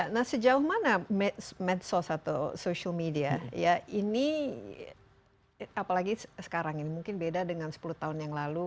nah sejauh mana medsos atau social media ya ini apalagi sekarang ini mungkin beda dengan sepuluh tahun yang lalu